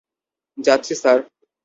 যাচ্ছি, স্যার।